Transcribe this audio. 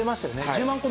１０万個。